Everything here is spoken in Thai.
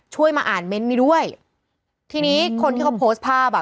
มาอ่านเมนต์นี้ด้วยทีนี้คนที่เขาโพสต์ภาพอ่ะ